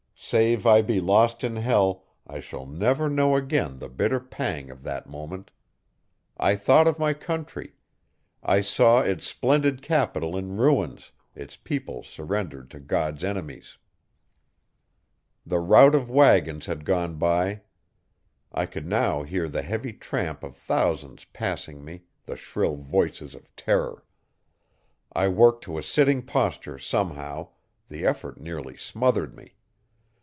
Save I be lost in hell, I shall never know again the bitter pang of that moment. I thought of my country. I saw its splendid capital in ruins; its people surrendered to God's enemies. The rout of wagons had gone by I could now hear the heavy tramp of thousands passing me, the shrill voices of terror. I worked to a sitting posture somehow the effort nearly smothered me.